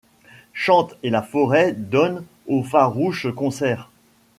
Chante, et la forêt donne au farouche concert